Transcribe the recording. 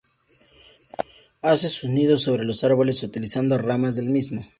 Hace sus nidos sobre los árboles, utilizando ramas del mismo.